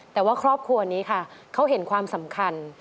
แต่ว่าครอบครัวนี้ค่ะเขาเห็นความสำคัญ